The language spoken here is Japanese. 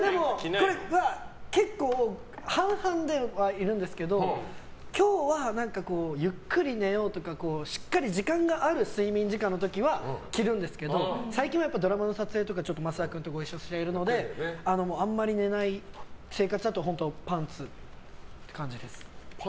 これは結構半々ではいるんですけど今日はゆっくり寝ようとかしっかり時間がある睡眠時間の時は着るんですけど最近はドラマの撮影とか増田君とご一緒しているのであんまり寝ない生活だとパンツ？